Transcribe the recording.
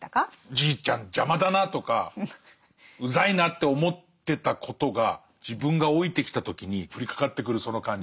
じいちゃん邪魔だなとかうざいなって思ってたことが自分が老いてきた時に降りかかってくるその感じ。